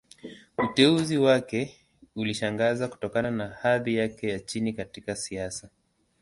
Uteuzi wake ulishangaza, kutokana na hadhi yake ya chini katika siasa.